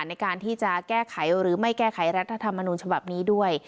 ในการที่จะแก้ไขหรือไม่แก้ไขรัฐธรรมนูญฉบับนี้ด้วย